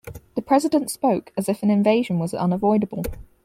The president spoke as if an invasion was unavoidable.